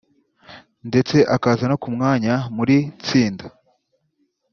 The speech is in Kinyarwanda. ndetse akaza no ku mwanya muri tsinda